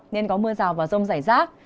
nên có mưa rào và rông rải rác